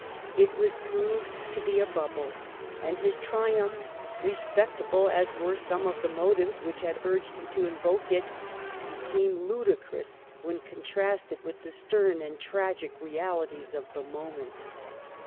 It was proved to be a bubble ; and his triumph, respectable as were some of the motives which had urged him to invoke it, be came ludicrous when contrasted with the stern and tragic realities of the moment.